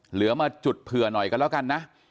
เหลือมาจุดเผื่อหน่อยกันแล้วกันนะ